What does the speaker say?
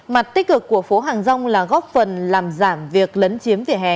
mặt tích cực của phố hàng rong là góp phần làm giảm việc lấn chiếm vỉa hè